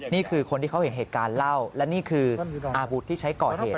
นี่คือคนที่เขาเห็นเหตุการณ์เล่าและนี่คืออาวุธที่ใช้ก่อเหตุ